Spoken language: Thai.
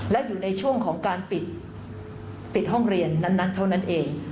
และอยู่ในช่วงของการปิดห้องเรียนนั้นเท่านั้นเอง